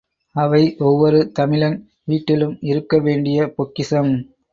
அவை ஒவ்வொரு தமிழன் வீட்டிலும் இருக்க வேண்டிய பொக்கிஷம்.